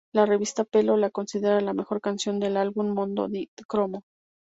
La revista "Pelo" la considera la mejor canción del álbum "Mondo di cromo".